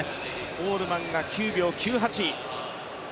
コールマンが９秒９８。